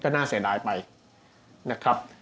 ก็น่าสื่อดายไปนะครับ